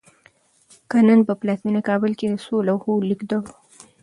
که نن په پلازمېنه کابل کې د څو لوحو لیکدړو